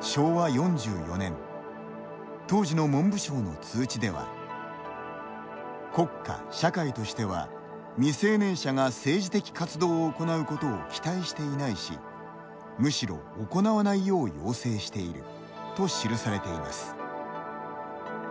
昭和４４年当時の文部省の通知では「国家・社会としては未成年者が政治的活動を行うことを期待していないし、むしろ行わないよう要請している」と記されています。